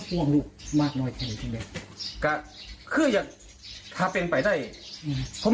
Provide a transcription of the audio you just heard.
ภูมิมากน้อยแทนที่นี่แม่กะคืออย่าถ้าเป็นไปได้อืมผม